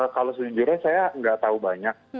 kalau sejujurnya saya nggak tahu banyak